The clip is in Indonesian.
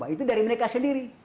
itu dari mereka sendiri